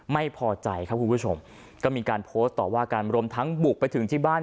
ไม่พอใจครับคุณผู้ชมก็มีการโพสต์ต่อว่ากันรวมทั้งบุกไปถึงที่บ้าน